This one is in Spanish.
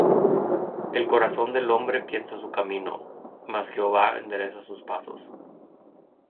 El corazón del hombre piensa su camino: Mas Jehová endereza sus pasos.